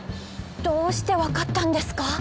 どうしてわかったんですか？